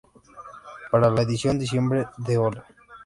Para la edición diciembre de "¡Hola!